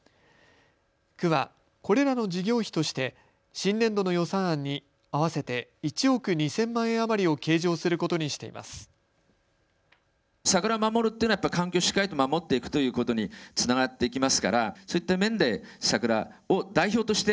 区はこれらの事業費として新年度の予算案に合わせて１億２０００万円余りを計上することにしています。